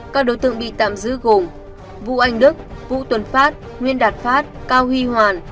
các đối tượng bị tạm giữ gồm vũ anh đức vũ tuần phát nguyên đạt phát cao huy hoàn